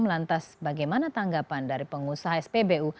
lantas bagaimana tanggapan dari pengusaha spbu